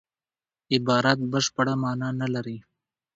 عبارت بشپړه مانا نه لري.